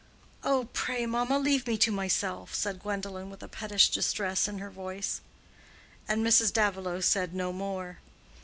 "Oh, pray, mamma, leave me to myself," said Gwendolen, with a pettish distress in her voice. And Mrs. Davilow said no more.